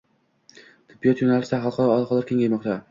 Tibbiyot yo‘nalishida xalqaro aloqalar kengaymoqda